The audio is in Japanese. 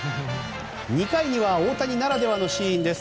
２回には大谷ならではのシーンです。